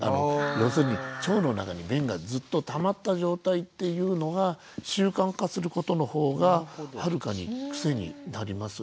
要するに腸の中に便がずっとたまった状態っていうのが習慣化することの方がはるかに癖になります。